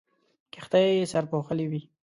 کښتۍ سرپوښلې وې.